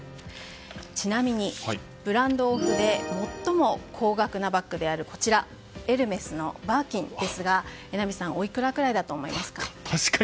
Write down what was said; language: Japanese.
ちなみにＢＲＡＮＤＯＦＦで最も高額なバッグはエルメスのバーキンですが榎並さん、おいくらぐらいだと思いますか？